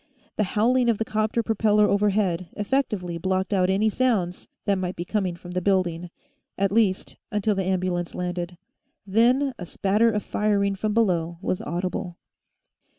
The howling of the 'copter propeller overhead effectively blocked out any sounds that might be coming from the building, at least until the ambulance landed. Then a spatter of firing from below was audible.